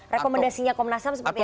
rekomendasinya komnas ham seperti apa